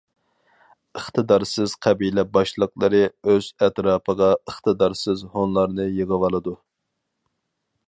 -ئىقتىدارسىز قەبىلە باشلىقلىرى ئۆز ئەتراپىغا ئىقتىدارسىز ھونلارنى يىغىۋالىدۇ.